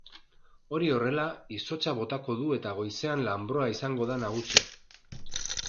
Hori horrela, izotza botako du eta goizean lanbroa izango da nagusi.